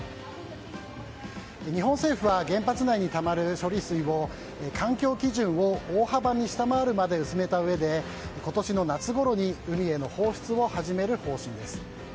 日本政府は原発内にたまる処理水を環境基準を大幅に下回るまで薄めたうえで今年の夏ごろに海への放出を始める方針です。